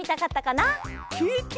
ケケ！